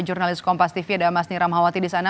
jurnalis kompas tv ada mas niramawati di sana